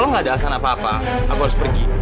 gak apa apa aku harus pergi